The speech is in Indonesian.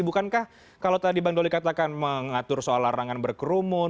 bukankah kalau tadi bang doli katakan mengatur soal larangan berkerumun